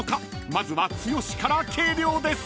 ［まずは剛から計量です］